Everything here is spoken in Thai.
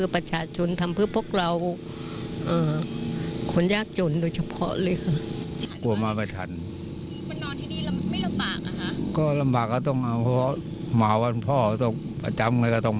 ประจำก็ต้องมาลำบากก็ต้องมา